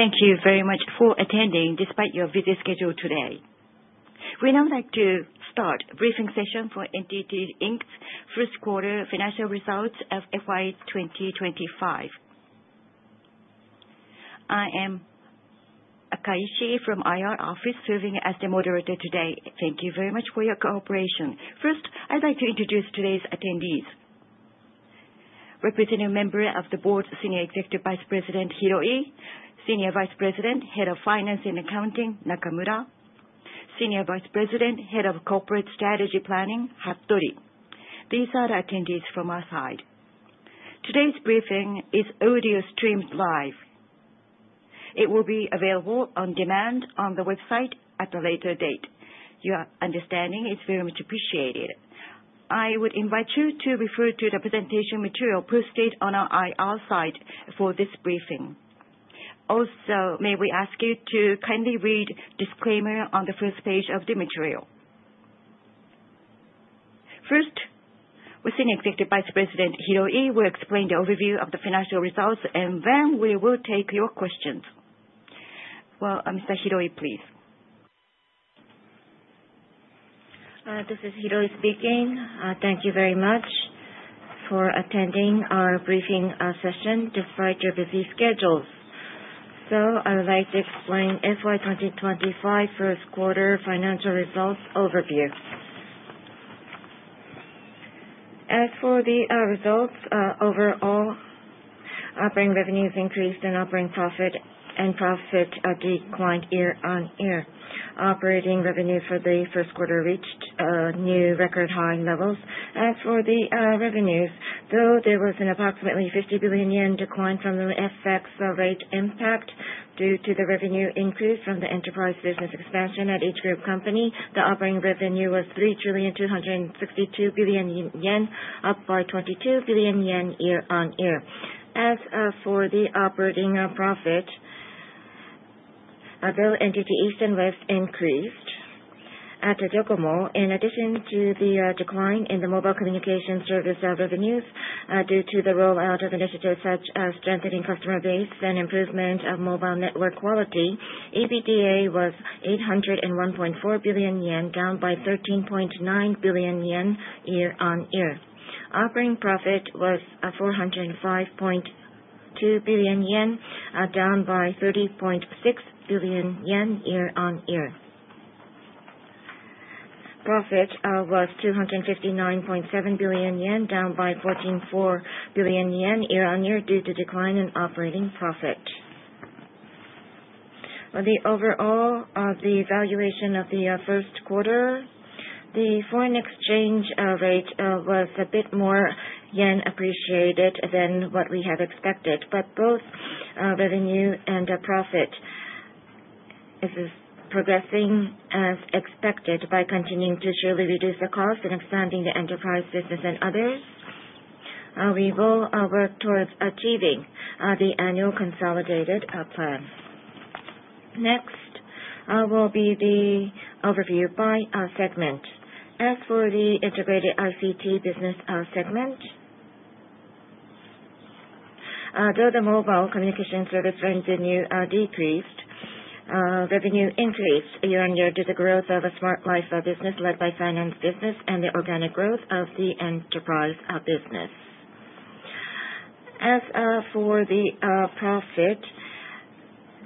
Thank you very much for attending despite your busy schedule today. We now like to start briefing session for NTT Inc.'s first quarter financial results of FY 2025. I am Akaishi from IR office serving as the moderator today. Thank you very much for your cooperation. First, I'd like to introduce today's attendees. Representative Member of the Board, Senior Executive Vice President Hiroi, Senior Vice President, Head of Finance and Accounting, Nakamura, Senior Vice President, Head of Corporate Strategy Planning, Hattori. These are the attendees from our side. Today's briefing is audio-streamed live. It will be available on demand on the website at a later date. Your understanding is very much appreciated. I would invite you to refer to the presentation material posted on our IR site for this briefing. Also, may we ask you to kindly read disclaimer on the first page of the material. First, with Senior Executive Vice President Hiroi will explain the overview of the financial results, and then we will take your questions. Well, Mr. Hiroi, please. This is Hiroi speaking. Thank you very much for attending our briefing session despite your busy schedules. I would like to explain FY 2025 first quarter financial results overview. As for the results, overall, operating revenues increased and operating profit and profit declined year-on-year. Operating revenue for the first quarter reached new record high levels. As for the revenues, though there was an approximately 50 billion yen decline from the FX rate impact due to the revenue increase from the enterprise business expansion at each group company, the operating revenue was 3 trillion, 262 billion, up by 22 billion yen year-on-year. For the operating profit, although NTT East was increased at NTT DOCOMO. Both revenue and profit is progressing as expected by continuing to surely reduce the cost and expanding the enterprise business and others. We will work towards achieving the annual consolidated plan. Next will be the overview by our segment. As for the Integrated ICT Business segment, though the mobile communication service revenue decreased, revenue increased year-over-year due to growth of a Smart Life business led by finance business and the organic growth of the enterprise business. As for the profit,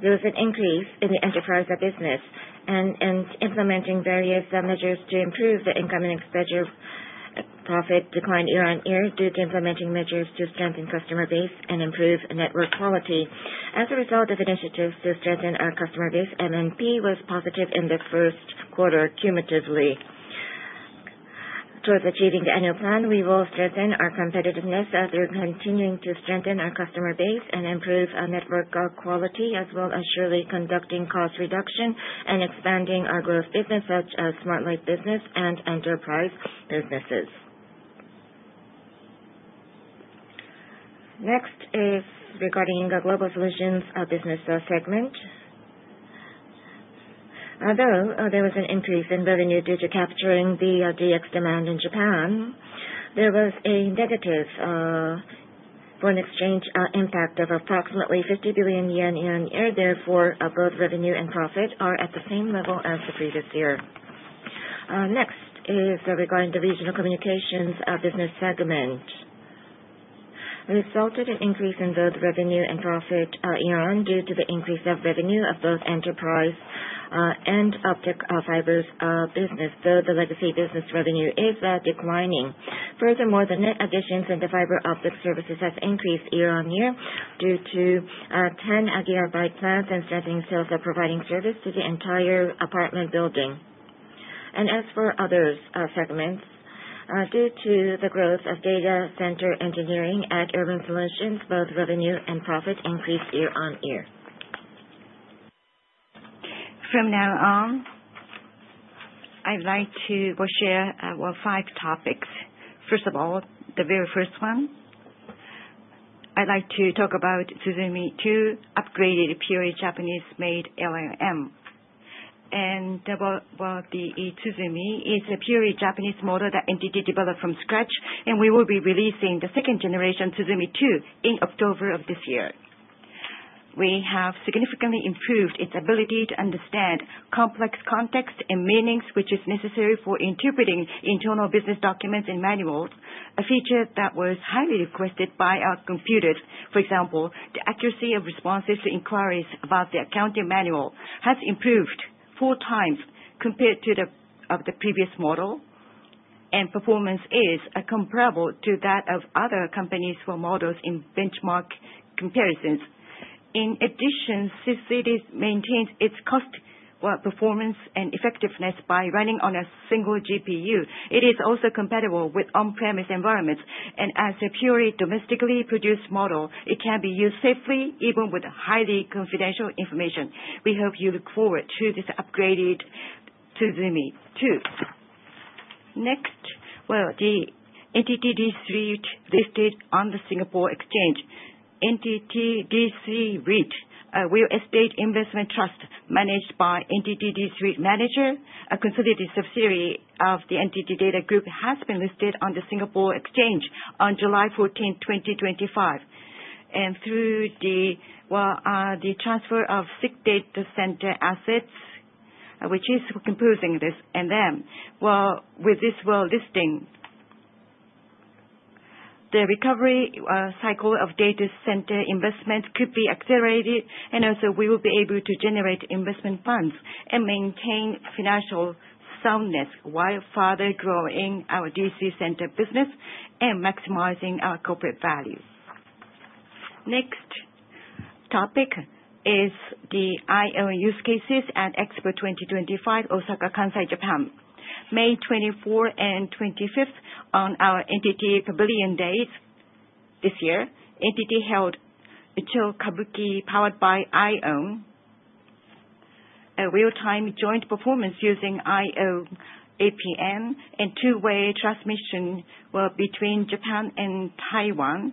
there was an increase in the enterprise business and implementing various measures to improve the incoming schedule. Profit declined year-over-year due to implementing measures to strengthen customer base and improve network quality. As a result of initiatives to strengthen our customer base, MNP was positive in the first quarter cumulatively. Towards achieving the annual plan, we will strengthen our competitiveness as we're continuing to strengthen our customer base and improve our network quality as well as surely conducting cost reduction and expanding our growth business such as Smart Life business and enterprise businesses. Next is regarding the Global Solutions Business segment. Although there was an increase in revenue due to capturing the DX demand in Japan, there was a negative foreign exchange impact of approximately 50 billion yen year-on-year. Therefore, both revenue and profit are at the same level as the previous year. Next is regarding the Regional Communications Business segment. Resulted in increase in both revenue and profit year-on due to the increase of revenue of both enterprise and optic fibers business, though the legacy business revenue is declining. Furthermore, the net additions in the fiber optic services has increased year-on-year due to 10 GB plans and strengthening sales of providing service to the entire apartment building. As for others, segments, due to the growth of data center engineering at Urban Solutions, both revenue and profit increased year-on-year. From now on, I'd like to go share five topics. First of all, the very first one, I'd like to talk about tsuzumi 2 upgraded purely Japanese-made LLM. tsuzumi is a purely Japanese model that NTT developed from scratch, and we will be releasing the second generation tsuzumi 2 in October of this year. We have significantly improved its ability to understand complex context and meanings, which is necessary for interpreting internal business documents and manuals, a feature that was highly requested by our customers. For example, the accuracy of responses to inquiries about the accounting manual has improved 4x compared to the previous model. Performance is comparable to that of other companies for models in benchmark comparisons. In addition, since it maintains its cost performance and effectiveness by running on a single GPU, it is also compatible with on-premises environments. As a purely domestically produced model, it can be used safely even with highly confidential information. We hope you look forward to this upgraded tsuzumi 2. Next, the NTT DC REIT listed on the Singapore Exchange. NTT DC REIT, real estate investment trust managed by NTT DC REIT Manager, a consolidated subsidiary of the NTT DATA Group, has been listed on the Singapore Exchange on July 14, 2025. Through the transfer of six data center assets, which is composing this AUM. Well, with this, well, listing, the recovery cycle of data center investment could be accelerated and also we will be able to generate investment funds and maintain financial soundness while further growing our DC center business and maximizing our corporate value. Next topic is the IOWN use cases at Expo 2025, Osaka, Kansai, Japan. May 24th and 25th on our NTT Pavilion days this year, NTT held a CHO KABUKI, powered by IOWN, a real-time joint performance using IOWN APN and two-way transmission, well, between Japan and Taiwan.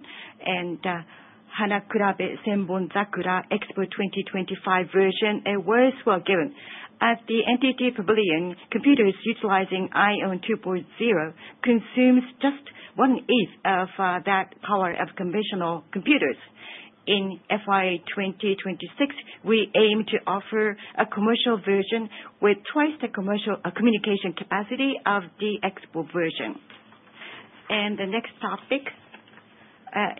Hanakurabe Senbonzakura Expo 2025 version awards were given. At the NTT Pavilion, computers utilizing IOWN 2.0 consumes just 1/8 of that power of conventional computers. In FY 2026, we aim to offer a commercial version with twice the commercial communication capacity of the expo version. The next topic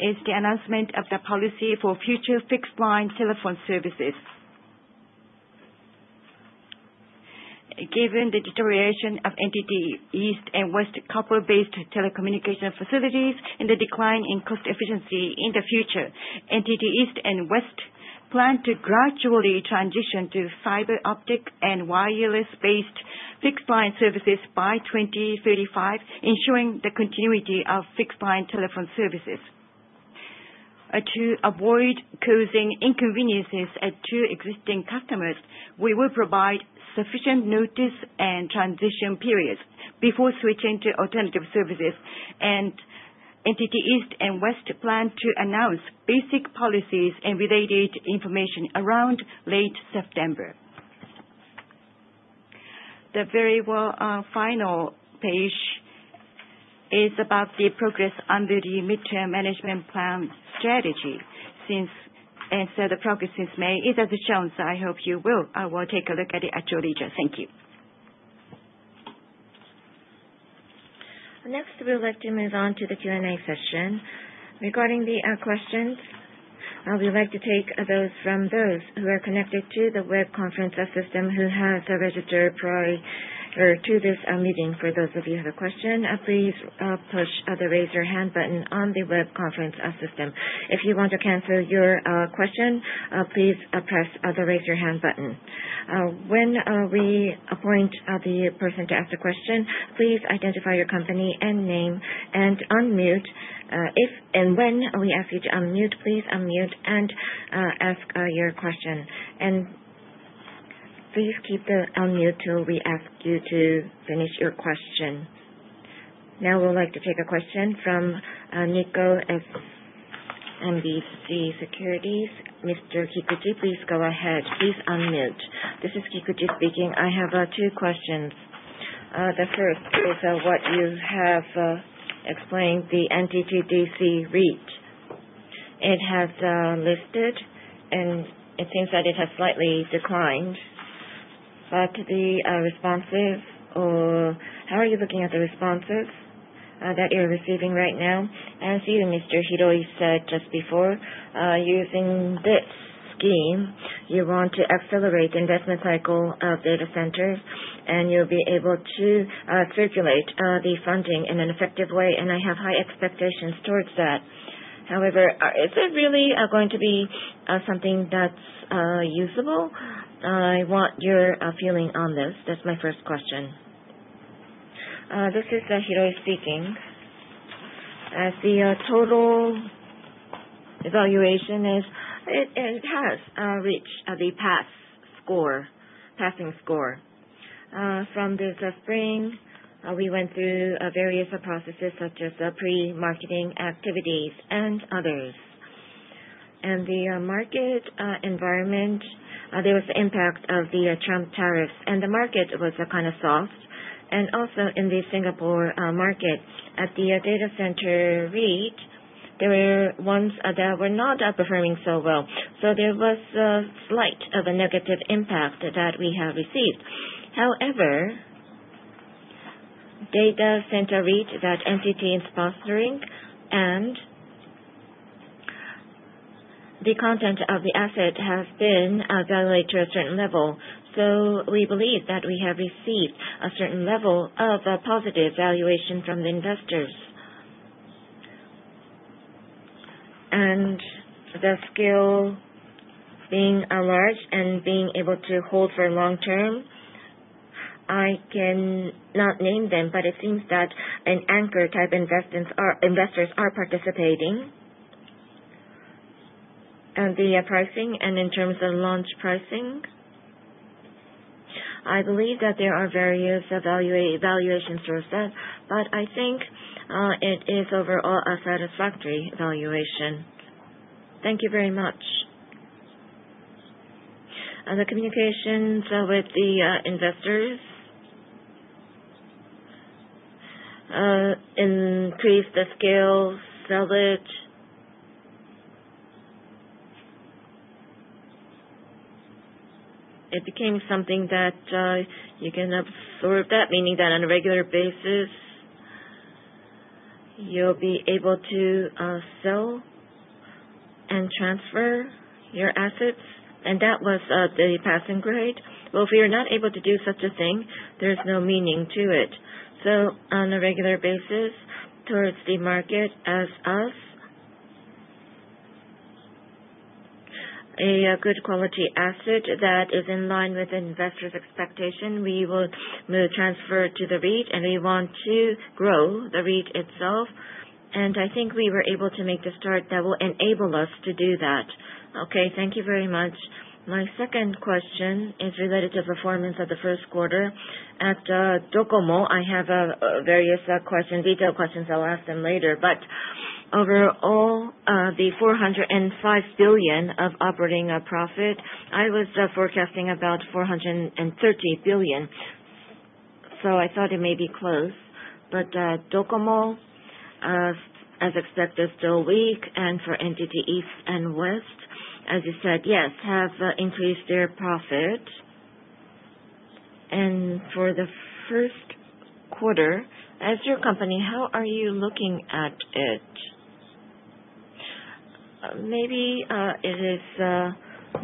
is the announcement of the policy for future fixed line telephone services. Given the deterioration of NTT East and West copper-based telecommunication facilities and the decline in cost efficiency in the future, NTT East and West plan to gradually transition to fiber optic and wireless-based fixed line services by 2035, ensuring the continuity of fixed line telephone services. To avoid causing inconveniences to existing customers, we will provide sufficient notice and transition periods before switching to alternative services. NTT East and West plan to announce basic policies and related information around late September. The very well, final page is about the progress under the mid-term management plan strategy. The progress since May is as shown. I hope you will take a look at it at your leisure. Thank you. Next, we would like to move on to the Q&A session. Regarding the questions, we would like to take those from those who are connected to the web conference system who has registered prior to this meeting. For those of you who have a question, please push the Raise Your Hand button on the web conference system. If you want to cancel your question, please press the Raise Your Hand button. When we appoint the person to ask the question, please identify your company and name and unmute. If and when we ask you to unmute, please unmute and ask your question. Please keep it on mute till we ask you to finish your question. Now, we would like to take a question from SMBC Nikko Securities. Mr. Kikuchi, please go ahead. Please unmute. This is Kikuchi speaking. I have two questions. The first is what you have explained, the NTT DC REIT. It has listed, and it seems that it has slightly declined. Could the responses or how are you looking at the responses that you're receiving right now? As even Mr. Hiroi said just before, using this scheme, you want to accelerate the investment cycle of data centers, and you'll be able to circulate the funding in an effective way, and I have high expectations towards that. However, is it really going to be something that's usable? I want your feeling on this. That's my first question. This is Hiroi speaking. As the total evaluation is, it has reached the passing score. From the spring, we went through various processes such as pre-marketing activities and others. The market environment, there was the impact of the Trump tariffs, and the market was kind of soft. Also in the Singapore market at the data center REIT, there were ones that were not outperforming so well. There was a slight of a negative impact that we have received. However, data center REIT that NTT is sponsoring and the content of the asset has been valued to a certain level. We believe that we have received a certain level of positive valuation from the investors. The scale being large and being able to hold for long-term, I cannot name them, but it seems that an anchor-type investors are participating. The pricing and in terms of launch pricing, I believe that there are various evaluation sources, but I think it is overall a satisfactory valuation. Thank you very much. The communications with the investors increase the scale, sell it. It became something that you can absorb that, meaning that on a regular basis, you'll be able to sell and transfer your assets, and that was the passing grade. Well, if you're not able to do such a thing, there's no meaning to it. On a regular basis, towards the market as us, a good quality asset that is in line with investors' expectation, we will transfer to the REIT, and we want to grow the REIT itself. I think we were able to make the start that will enable us to do that. Okay.Thank you very much. My second question is related to performance of the first quarter. At DOCOMO, I have various detailed questions. I'll ask them later. Overall, the 405 billion of operating profit, I was forecasting about 430 billion. I thought it may be close DOCOMO, as expected, still weak. For NTT East and West, as you said, yes, have increased their profit. For the first quarter, as your company, how are you looking at it? Maybe it is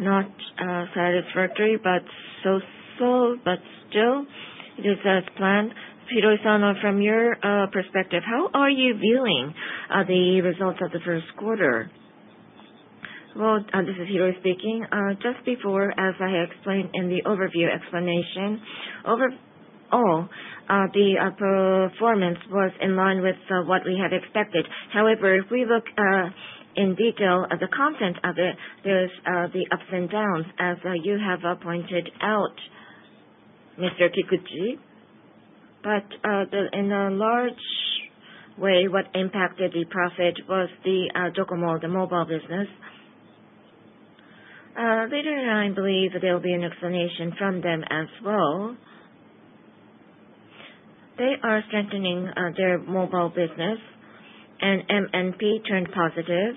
not satisfactory, but so-so. Still, it is as planned. Hiroi-san, from your perspective, how are you viewing the results of the first quarter? Well, this is Hiroi speaking. Just before, as I had explained in the overview explanation, overall, the performance was in line with what we had expected. If we look in detail at the content of it, there's the ups and downs as you have pointed out, Mr. Kikuchi. In a large way, what impacted the profit was the DOCOMO, the mobile business. Later on, I believe there'll be an explanation from them as well. They are strengthening their mobile business, MNP turned positive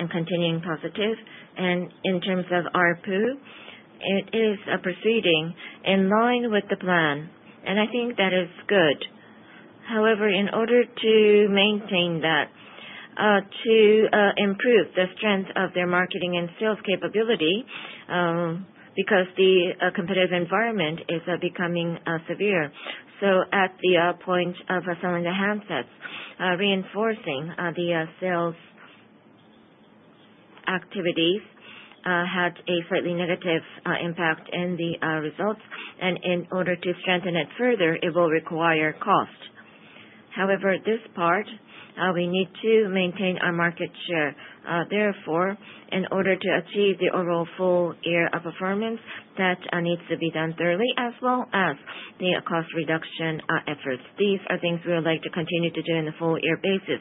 and continuing positive. In terms of ARPU, it is proceeding in line with the plan, and I think that is good. In order to maintain that, to improve the strength of their marketing and sales capability, because the competitive environment is becoming severe. At the point of selling the handsets, reinforcing the sales activities had a fairly negative impact in the results. In order to strengthen it further, it will require cost. However, this part, we need to maintain our market share. Therefore, in order to achieve the overall full-year of performance that needs to be done thoroughly as well as the cost reduction efforts. These are things we would like to continue to do on a full-year basis.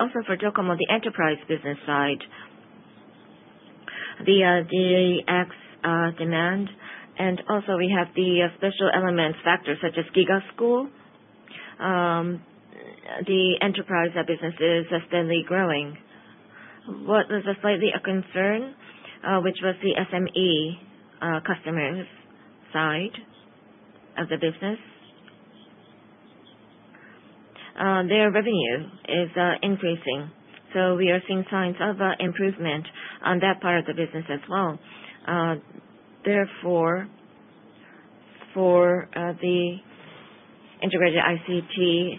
Also for DOCOMO, the enterprise business side, the DX demand, and also we have the special elements factors such as GIGA School. The enterprise business is steadily growing. What was slightly a concern, which was the SME customers side of the business. Their revenue is increasing, so we are seeing signs of improvement on that part of the business as well. Therefore, for the Integrated ICT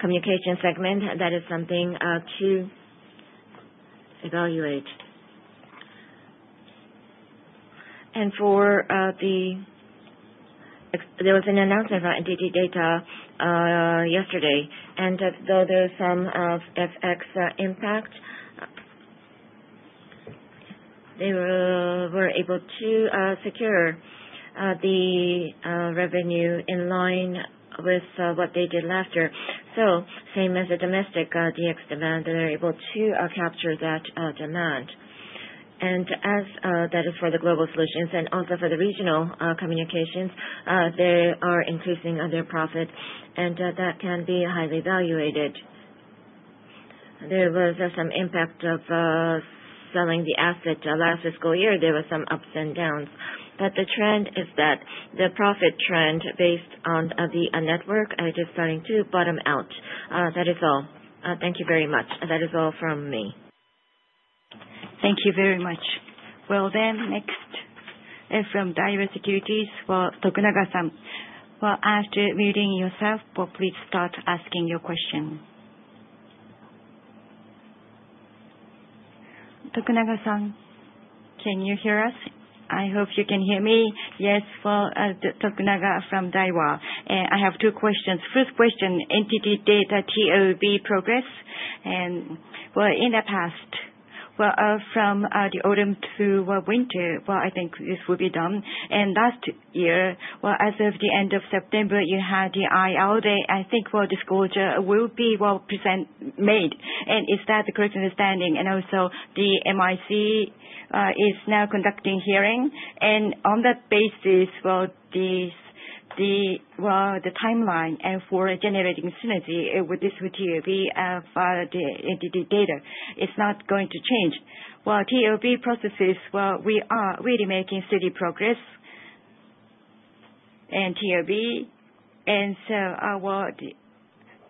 Business, that is something to evaluate. There was an announcement about NTT DATA yesterday. Though there's some FX impact. They were able to secure the revenue in line with what they did last year. Same as the domestic DX demand, they were able to capture that demand. As that is for the Global Solutions and also for the Regional Communications, they are increasing their profit, and that can be highly valuated. There was some impact of selling the asset. Last fiscal year, there were some ups and downs, but the trend is that the profit trend based on the network is starting to bottom out. That is all. Thank you very much. That is all from me. Thank you very much. Next is from Daiwa Securities for Tokunaga-san. After muting yourself, please start asking your question. Tokunaga-san, can you hear us? I hope you can hear me. Yes. Well, Tokunaga from Daiwa. I have two questions. First question, NTT DATA TOB progress. Well, in the past, well, from the autumn to, well, winter, well, I think this will be done. Last year, well, as of the end of September, you had the IR Day. I think, well, disclosure will be well present made. Is that the correct understanding? Also the MIC is now conducting hearing. On that basis, well, this, the, well, the timeline and for generating synergy with this, with TOB for the NTT DATA is not going to change. Well, TOB processes, well, we are really making steady progress in TOB. Well,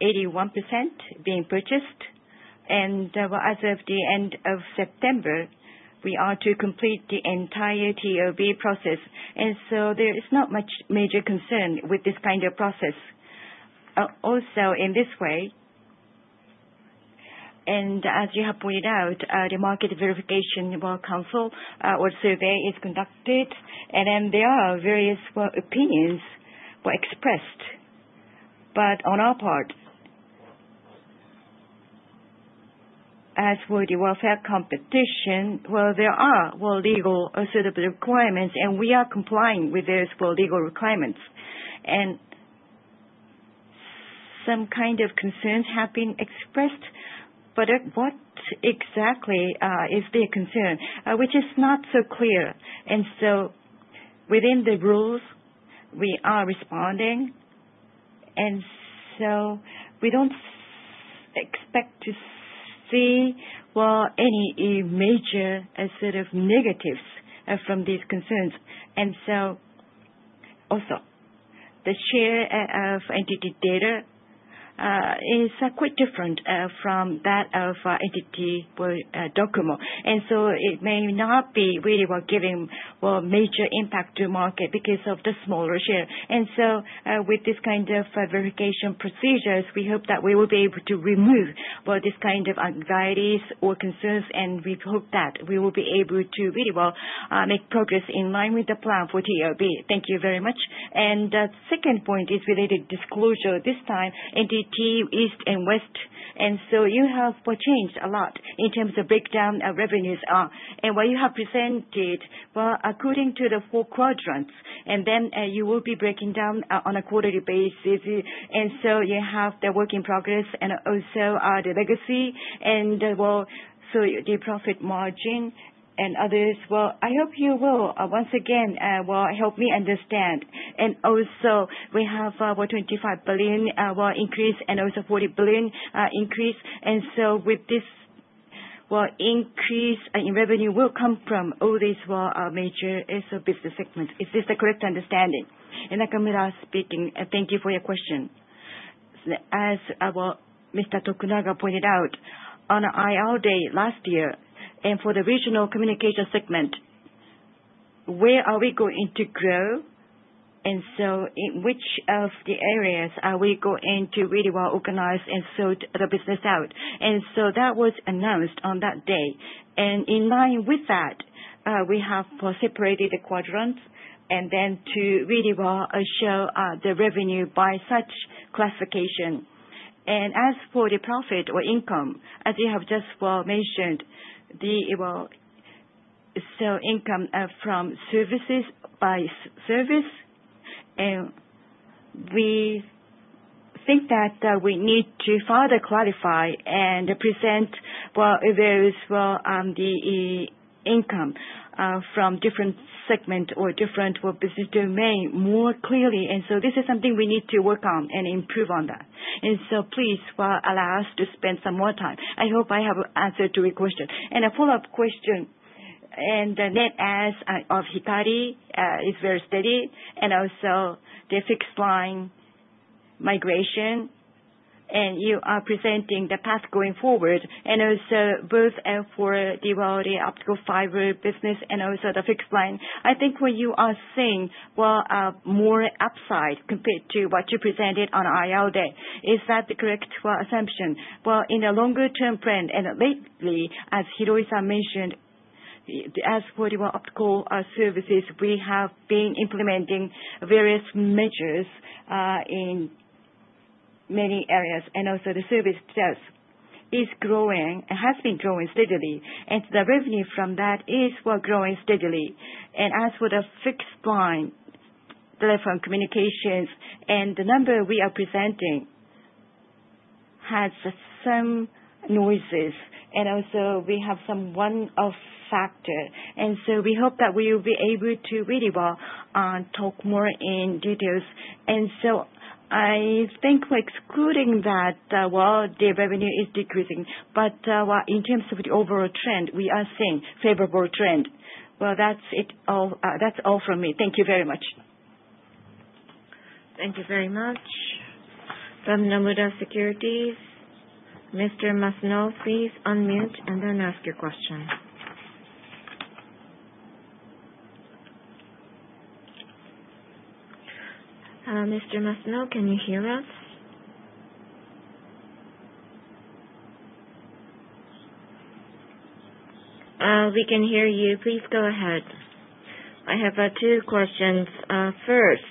81% being purchased. Well, as of the end of September, we are to complete the entire TOB process. There is not much major concern with this kind of process. In this way, and as you have pointed out, the market verification, well, council, or survey is conducted. There are various, well, opinions were expressed. On our part, as for the fair competition, well, there are, well, legal assertive requirements, and we are complying with those, well, legal requirements. Some kind of concerns have been expressed, but what exactly is their concern? Which is not so clear. Within the rules, we are responding. We don't expect to see, well, any major assertive negatives from these concerns. The share of NTT Data is quite different from that of NTT, well, DOCOMO. It may not be really, well, giving, well, major impact to market because of the smaller share. With this kind of verification procedures, we hope that we will be able to remove, well, this kind of anxieties or concerns, and we hope that we will be able to really, well, make progress in line with the plan for TOB. Thank you very much. Second point is related disclosure, this time NTT East and West. You have, well, changed a lot in terms of breakdown of revenues. What you have presented, well, according to the four quadrants, then you will be breaking down on a quarterly basis. You have the work in progress and also the legacy and, well, so the profit margin and others. Well, I hope you will, once again, help me understand. Also we have 25 billion increase and also 40 billion increase. With this, increase, in revenue will come from all these, major SI business segments. Is this the correct understanding? Nakamura speaking. Thank you for your question. As Mr. Tokunaga pointed out, on IR Day last year, for the Regional Communications Business, where are we going to grow? In which of the areas are we going to really organize and sort the business out? That was announced on that day. In line with that, we have separated the quadrants and then to really show the revenue by such classification. As for the profit or income, as you have just, well, mentioned, the, well, so income from services by service. We think that we need to further clarify and present, well, various, well, the income from different segment or different, well, business domain more clearly. This is something we need to work on and improve on that. Please, well, allow us to spend some more time. I hope I have answered your question. A follow-up question. The net adds of Hikari is very steady and also the fixed line migration, and you are presenting the path going forward. Both, well, for the optical fiber business and also the fixed line. I think what you are saying, well, more upside compared to what you presented on IR Day. Is that the correct, well, assumption? Well, in a longer term plan, lately, as Hiroi-san mentioned, as for the, well, optical services, we have been implementing various measures. Many areas. The service base has been growing steadily. The revenue from that is, well, growing steadily. As for the fixed line, telephone communications, the number we are presenting has some noises. We have some 1-off factor. We hope that we will be able to really well talk more in details. I think excluding that, well, the revenue is decreasing. Well, in terms of the overall trend, we are seeing favorable trend. Well, that's it all. That's all from me. Thank you very much. Thank you very much. From Nomura Securities, Mr. Masuno, please unmute and then ask your question. Mr. Masuno, can you hear us? We can hear you. Please go ahead. I have two questions. First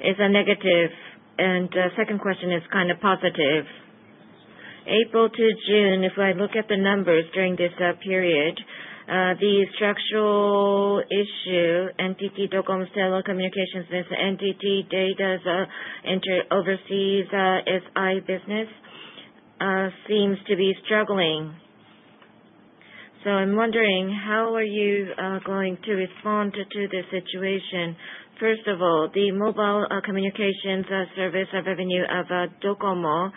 is a negative, second question is kind of positive. April to June, if I look at the numbers during this period, the structural issue, NTT DOCOMO cellular communications business NTT DATA's overseas SI business, seems to be struggling. I'm wondering, how are you going to respond to the situation? First of all, the mobile communications service revenue of DOCOMO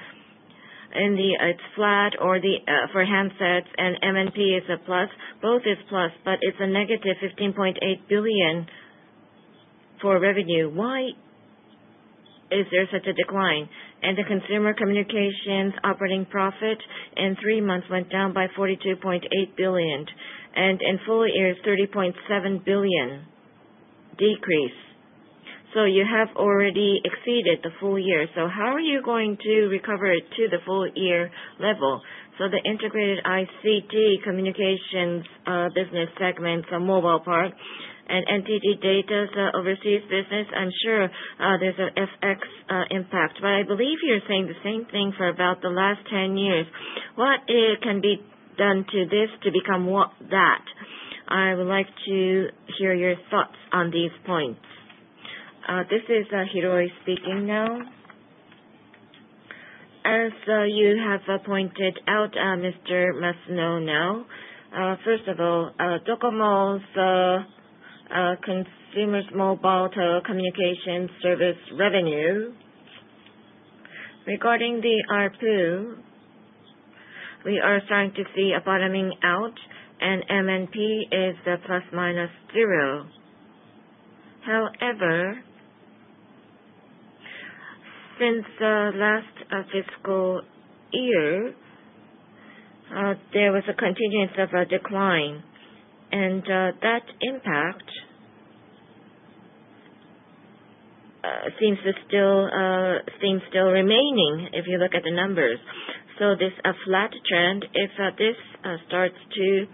in the, it's flat or the, for handsets and MNP is a plus. Both is plus, but it's a -15.8 billion for revenue. Why is there such a decline? The consumer communications operating profit in three months went down by 42.8 billion, and in full-year is 30.7 billion decrease. You have already exceeded the full-year. How are you going to recover it to the full-year level? The Integrated ICT Business segment from mobile part and NTT DATA's overseas business, I'm sure, there's a FX impact. I believe you're saying the same thing for about the last 10 years. What can be done to this to become what that? I would like to hear your thoughts on these points. This is Hiroi speaking now. As you have pointed out, Mr. Masuno, first of all, DOCOMO's consumer's mobile telecommunication service revenue. Regarding the ARPU, we are starting to see a bottoming out, and MNP is ±0. However, since the last fiscal year, there was a continuance of a decline. That impact seems still remaining if you look at the numbers. This flat trend, if this starts to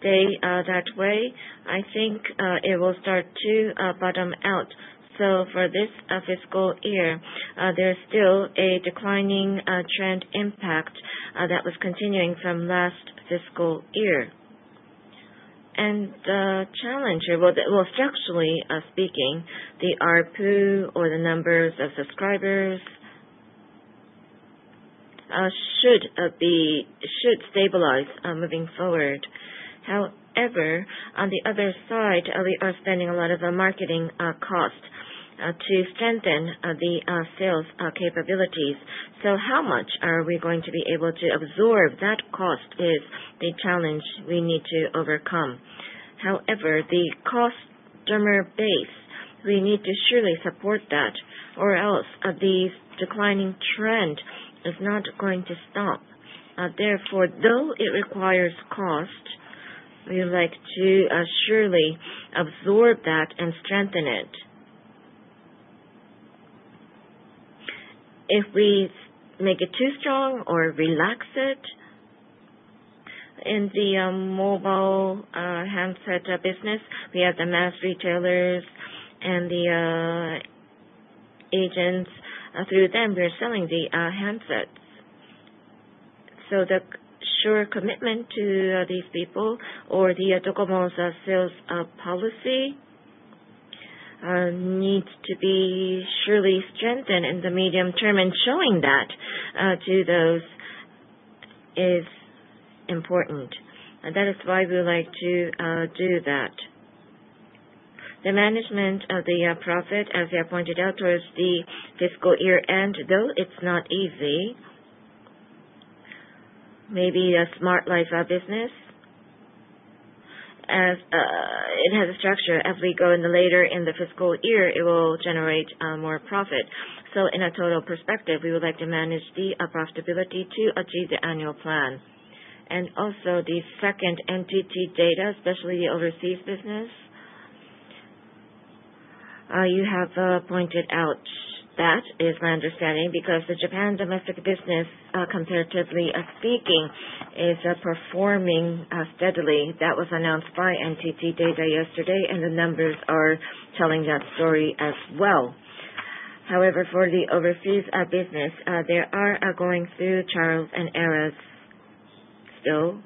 stay that way, I think it will start to bottom out. For this fiscal year, there is still a declining trend impact that was continuing from last fiscal year. The challenge here, well structurally speaking, the ARPU or the numbers of subscribers should stabilize moving forward. However, on the other side, we are spending a lot of marketing cost to strengthen the sales capabilities. How much are we going to be able to absorb that cost is the challenge we need to overcome. However, the customer base, we need to surely support that or else the declining trend is not going to stop. Therefore, though it requires cost, we would like to surely absorb that and strengthen it. If we make it too strong or relax it in the mobile handset business, we have the mass retailers and the agents. Through them, we are selling the handsets. The sure commitment to these people or the DOCOMO's sales policy needs to be surely strengthened in the medium-term and showing that to those is important. That is why we would like to do that. The management of the profit, as you have pointed out, towards the fiscal year-end, though it's not easy, maybe a Smart Life business as it has a structure. As we go in the later in the fiscal year, it will generate more profit. In a total perspective, we would like to manage the profitability to achieve the annual plan. The second NTT Data, especially overseas business, you have pointed out that. Is my understanding because the Japan domestic business, comparatively speaking, is performing steadily. That was announced by NTT Data yesterday, and the numbers are telling that story as well. However, for the overseas business, there are going through trials and errors still.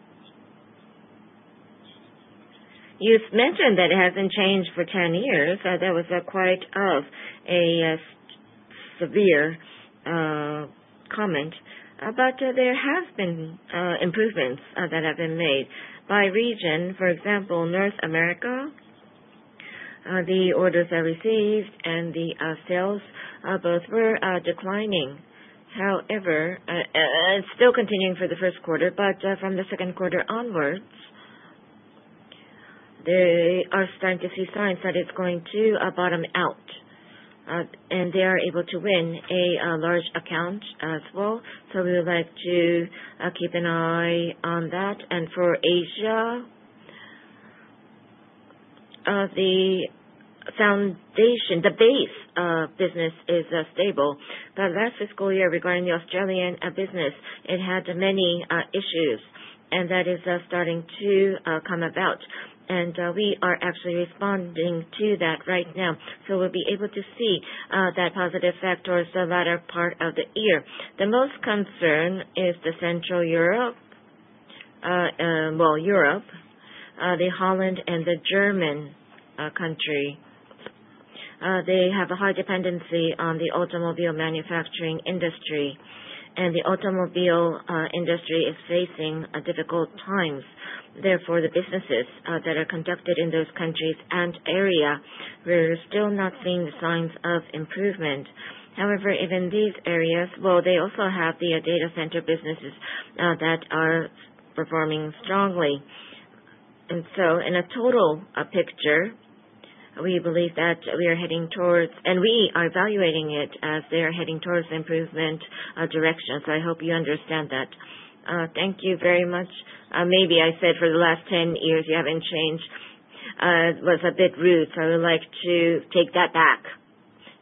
You've mentioned that it hasn't changed for 10 years. That was quite of a severe comment. There have been improvements that have been made. By region, for example, North America, the orders are received and the sales both were declining. It's still continuing for the first quarter, from the second quarter onwards, they are starting to see signs that it's going to bottom out. They are able to win a large account as well. We would like to keep an eye on that. For Asia, the foundation, the base business is stable. The last fiscal year regarding the Australian business, it had many issues, that is starting to come about. We are actually responding to that right now. We'll be able to see that positive effect towards the latter part of the year. The most concern is the Central Europe, the Holland and the German country. They have a high dependency on the automobile manufacturing industry, and the automobile industry is facing difficult times. The businesses that are conducted in those countries and area, we're still not seeing the signs of improvement. Even these areas, well, they also have the data center businesses that are performing strongly. In a total picture, we are evaluating it as they are heading towards improvement direction. I hope you understand that. Thank you very much. Maybe I said for the last 10 years, you haven't changed, was a bit rude, I would like to take that back.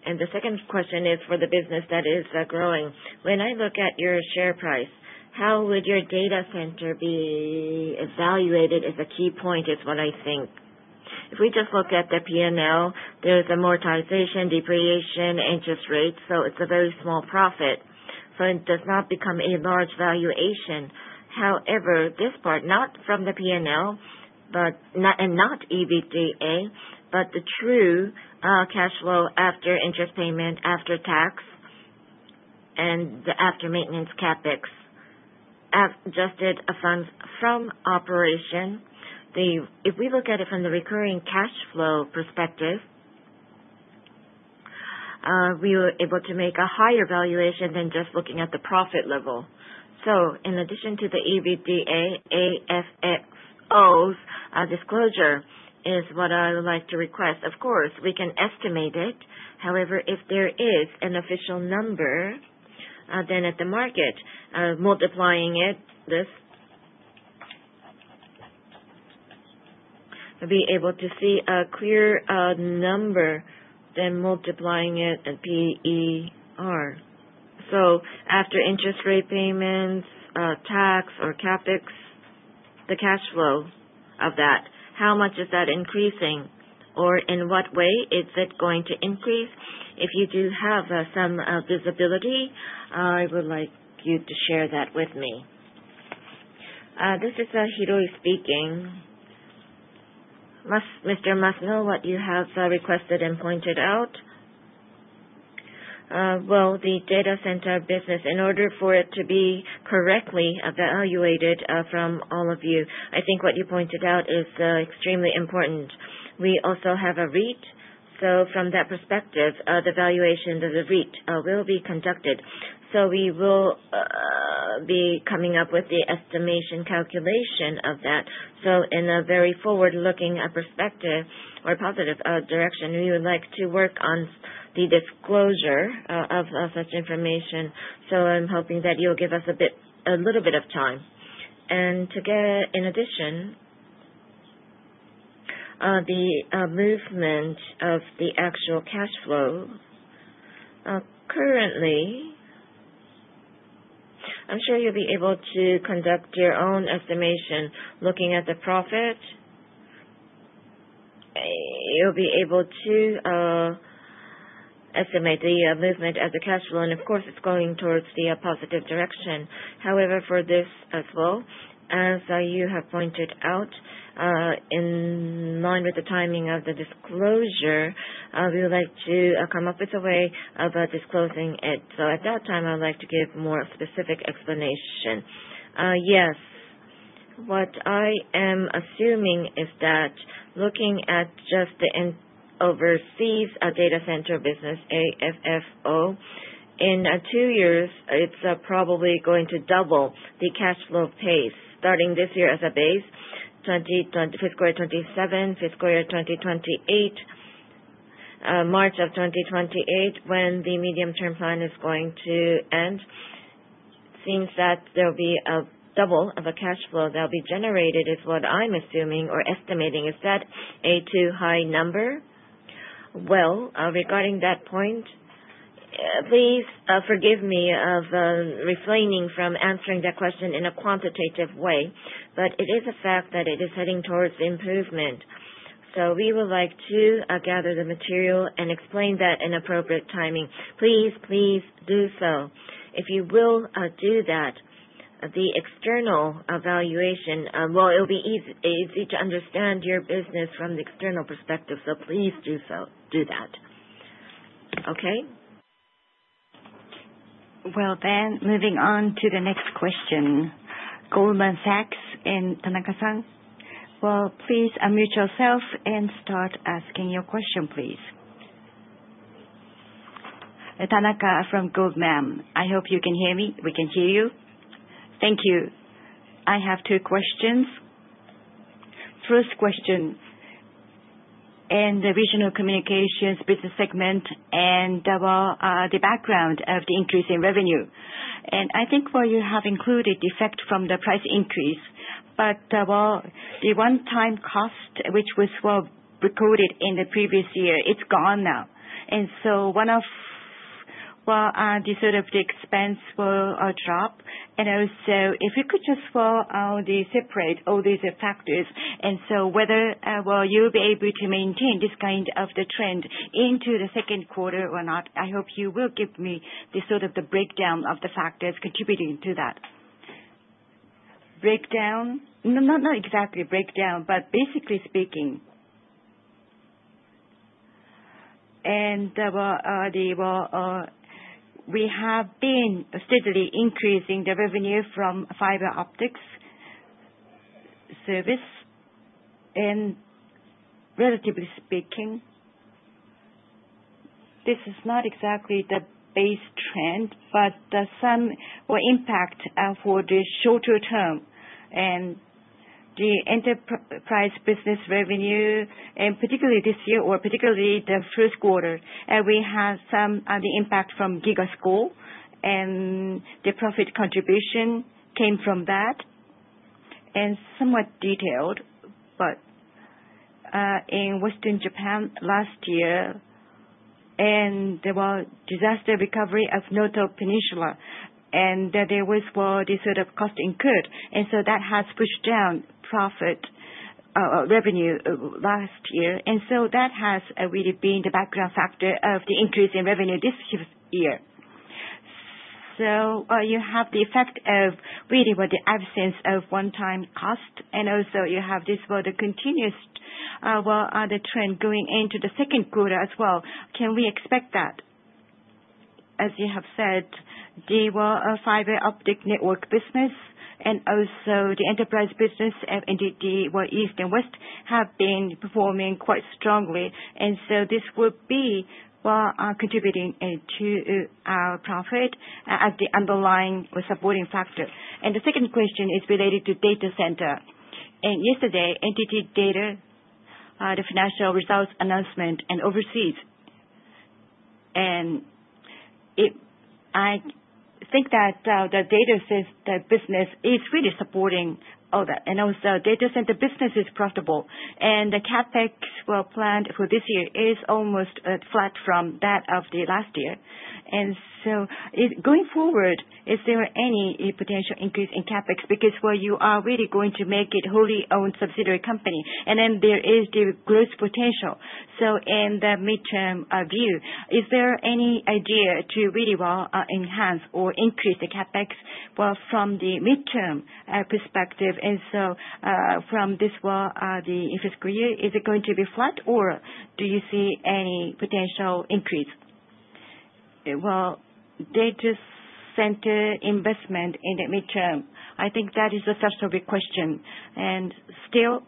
The second question is for the business that is growing. When I look at your share price, how would your data center be evaluated as a key point is what I think. If we just look at the P&L, there's amortization, depreciation, interest rates, so it's a very small profit. It does not become a large valuation. However, this part, not from the P&L, but not, and not EBITDA, but the true cash flow after interest payment, after tax, and after maintenance CapEx adjusted funds from operations. If we look at it from the recurring cash flow perspective, we were able to make a higher valuation than just looking at the profit level. In addition to the EBITDA, AFFOs disclosure is what I would like to request. Of course, we can estimate it. However, if there is an official number, at the market, multiplying it, this, we will be able to see a clear number, multiplying it at PER. After interest rate payments, tax or CapEx, the cash flow of that, how much is that increasing? Or in what way is it going to increase? If you do have some visibility, I would like you to share that with me. This is Hiroi speaking. Mr. Masuno, what you have requested and pointed out, well, the data center business, in order for it to be correctly evaluated, from all of you, I think what you pointed out is extremely important. We also have a REIT, from that perspective, the valuations of the REIT will be conducted. We will be coming up with the estimation calculation of that. In a very forward-looking perspective or positive direction, we would like to work on the disclosure of such information. I'm hoping that you'll give us a little bit of time. To get, in addition, the movement of the actual cash flow, currently, I'm sure you'll be able to conduct your own estimation looking at the profit. You'll be able to estimate the movement of the cash flow, and of course, it's going towards the positive direction. However, for this as well, as you have pointed out, in line with the timing of the disclosure, we would like to come up with a way of disclosing it. At that time, I would like to give more specific explanation. Yes. What I am assuming is that looking at just the overseas data center business, AFFO, in 2 years, it's probably going to double the cash flow pace starting this year as a base, fiscal year 2027, fiscal year 2028, March of 2028, when the medium-term plan is going to end. Seems that there'll be a double of a cash flow that will be generated is what I'm assuming or estimating. Is that a too high number? Well, regarding that point, please forgive me of refraining from answering that question in a quantitative way. It is a fact that it is heading towards improvement. We would like to gather the material and explain that in appropriate timing. Please do so. If you will, do that, the external evaluation, well, it'll be easy to understand your business from the external perspective, so please do so. Do that. Okay. Moving on to the next question. Goldman Sachs and Tanaka-san. Well, please unmute yourself and start asking your question, please. Tanaka from Goldman. I hope you can hear me. We can hear you. Thank you. I have two questions. First question, in the Regional Communications Business segment, the background of the increase in revenue. I think where you have included effect from the price increase, but the one-time cost, which was recorded in the previous year, it's gone now. One of the sort of the expense will drop. Also if you could just spell out the separate, all these factors, whether you'll be able to maintain this kind of the trend into the second quarter or not, I hope you will give me the sort of the breakdown of the factors contributing to that. Breakdown? No, not exactly breakdown, but basically speaking. We have been steadily increasing the revenue from fiber optics service. Relatively speaking, this is not exactly the base trend, but the sum will impact for the shorter-term and the enterprise business revenue, particularly this year or particularly the first quarter quarter. We have some of the impact from GIGA School, and the profit contribution came from that. Somewhat detailed, but in Western Japan last year, there was disaster recovery of Noto Peninsula, there was, well, the sort of cost incurred. That has pushed down profit, revenue last year. That has really been the background factor of the increase in revenue this year. You have the effect of really, well, the absence of one-time cost, also you have this, well, the continuous trend going into the second quarter as well. Can we expect that? As you have said, the fiber optic network business and also the enterprise business and NTT east and west have been performing quite strongly. This will be contributing to profit as the underlying or supporting factor. The second question is related to data center. Yesterday, NTT Data the financial results announcement and overseas. I think that the data center business is really supporting all that. Also data center business is profitable. The CapEx planned for this year is almost flat from that of the last year. Going forward, is there any potential increase in CapEx? Because you are really going to make it wholly owned subsidiary company, there is the growth potential. In the mid-term view, is there any idea to really, well, enhance or increase the CapEx, well, from the mid-term perspective? From this, well, the fiscal year, is it going to be flat or do you see any potential increase? Well, data center investment in the mid-term, I think that is a such a big question. Still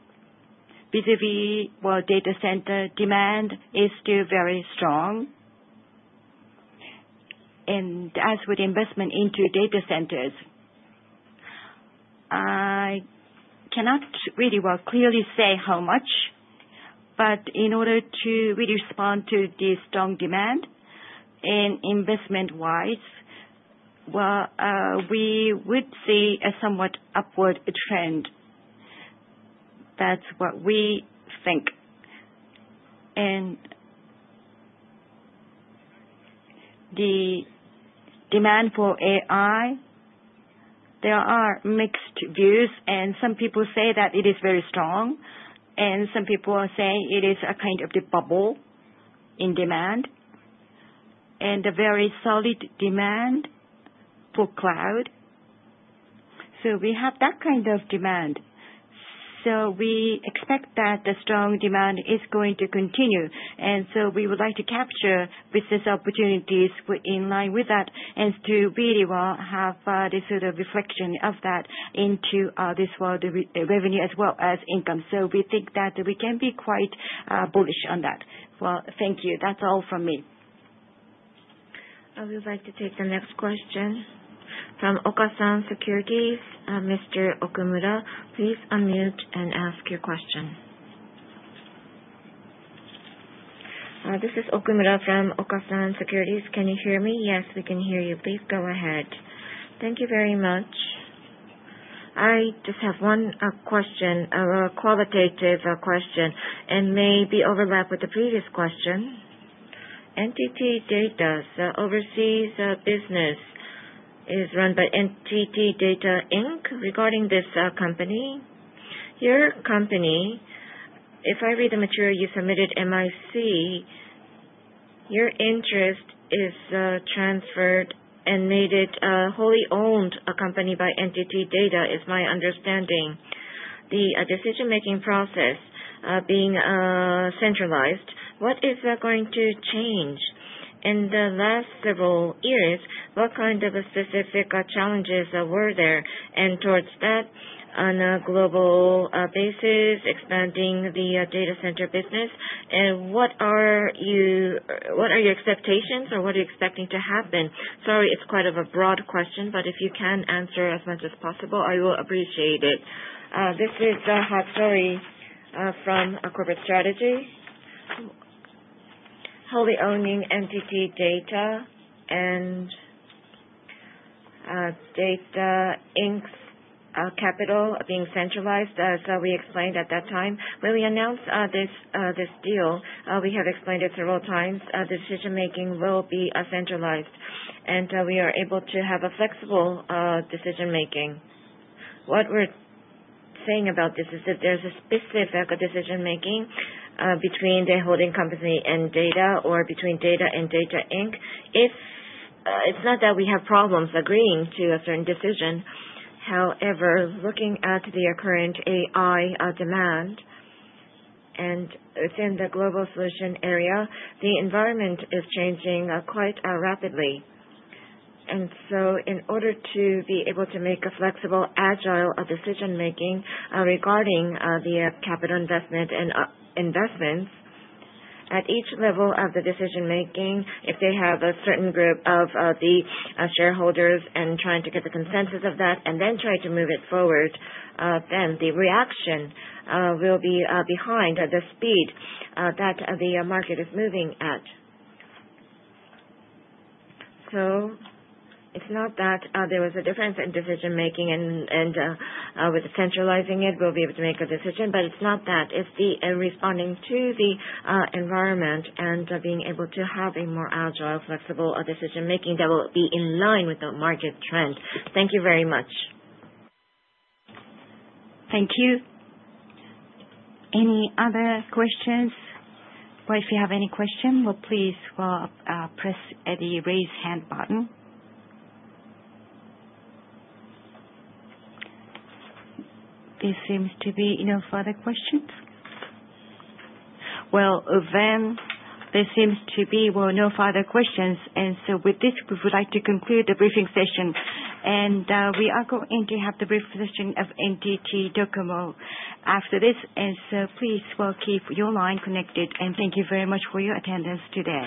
vis-a-vis, well, data center demand is still very strong. As with investment into data centers, I cannot really, well, clearly say how much. In order to really respond to the strong demand and investment-wise, well, we would see a somewhat upward trend. That's what we think. The demand for AI, there are mixed views, and some people say that it is very strong, and some people are saying it is a kind of the bubble in demand and a very solid demand for cloud. We have that kind of demand. We expect that the strong demand is going to continue. We would like to capture business opportunities with in line with that and to really, well, have this sort of reflection of that into this, well, the revenue as well as income. We think that we can be quite bullish on that. Thank you. That's all from me. I would like to take the next question from Okasan Securities. Mr. Okumura, please unmute and ask your question. This is Okumura from Okasan Securities. Can you hear me? Yes, we can hear you. Please go ahead. Thank you very much. I just have one question, a qualitative question, and maybe overlap with the previous question. NTT DATA's overseas business is run by NTT DATA, Inc. Regarding this company, your company, if I read the material you submitted, MIC, your interest is transferred and made it wholly owned company by NTT Data, is my understanding. The decision-making process being centralized, what is going to change? In the last several years, what kind of specific challenges were there? Towards that, on a global basis, expanding the data center business, what are you expecting to happen? It's quite of a broad question, but if you can answer as much as possible, I will appreciate it. This is Hattori from Corporate Strategy. Wholly owning NTT Data and NTT DATA, Inc.'s capital being centralized, as we explained at that time. When we announced this deal, we have explained it several times, decision-making will be centralized, and we are able to have a flexible decision-making. What we're saying about this is that there's a specific decision-making between the holding company and Data or between Data and NTT DATA, Inc. It's not that we have problems agreeing to a certain decision. However, looking at the current AI demand and within the Global Solutions area, the environment is changing quite rapidly. In order to be able to make a flexible, agile decision-making regarding the capital investment and investments. At each level of the decision-making, if they have a certain group of the shareholders and trying to get the consensus of that and then try to move it forward, then the reaction will be behind the speed that the market is moving at. It's not that there was a difference in decision-making and with centralizing it, we'll be able to make a decision. It's not that. It's the responding to the environment and being able to have a more agile, flexible decision-making that will be in line with the market trend. Thank you very much. Thank you. Any other questions? Or if you have any question, well, please press the raise hand button. There seems to be no further questions. Well, then there seems to be, well, no further questions. With this, we would like to conclude the briefing session. We are going to have the brief session of NTT DOCOMO after this. Please, well, keep your line connected, and thank you very much for your attendance today.